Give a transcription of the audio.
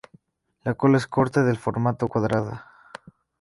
La cola es corta, de formato cuadrada.